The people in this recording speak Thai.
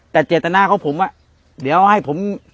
แต่เจตนาของผมเดี๋ยวให้ผม